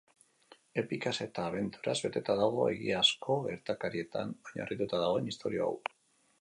Epikaz eta abenturaz beteta dago egiazko gertakarietan oinarrituta dagoen istorio hau.